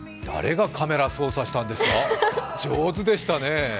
誰がカメラを操作したんですか、上手でしたね。